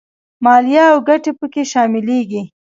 مالیه او ګټې په کې شاملېږي